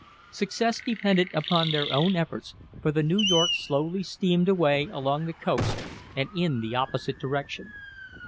Success depended upon their own efforts, for the New York slowly steamed away along the coast and in the opposite direction.